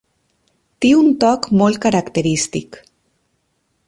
Té un toc molt característic.